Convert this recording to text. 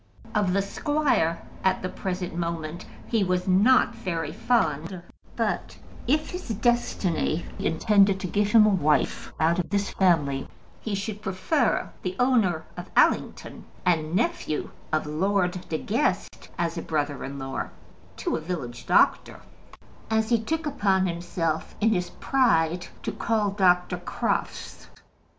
Of the squire, at the present moment, he was not very fond; but if his destiny intended to give him a wife out of this family, he should prefer the owner of Allington and nephew of Lord De Guest as a brother in law to a village doctor, as he took upon himself, in his pride, to call Dr. Crofts.